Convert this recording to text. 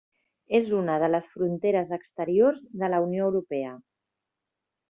És una de les fronteres exteriors de la Unió Europea.